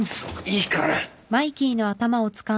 いいから。